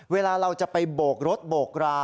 เวลาเราจะไปโบกรถโบกรา